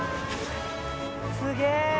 すげえ！